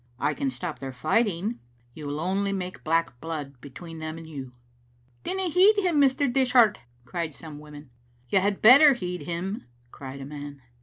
" I can stop their fighting." " You will only make black blood between them and you. " Dinna heed him, Mr. Dishart," cried some women. " You had better heed him," cried a man.